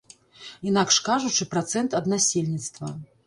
Інакш кажучы, працэнт ад насельніцтва.